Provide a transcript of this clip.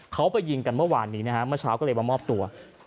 เขาไปยิงกันเมื่อวานนี้นะฮะเมื่อเช้าก็เลยมามอบตัว